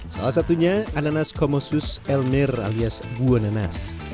salah satunya anas komosus elmer alias buah nanas